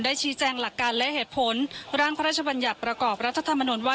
ชี้แจงหลักการและเหตุผลร่างพระราชบัญญัติประกอบรัฐธรรมนุนว่า